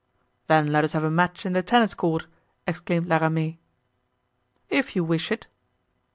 "Then let us have a match in the tennis court," exclaimed La Ramee. "If you wish it."